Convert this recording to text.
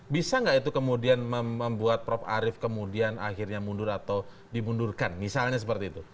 bisa nggak itu kemudian membuat prof arief kemudian akhirnya mundur atau dimundurkan misalnya seperti itu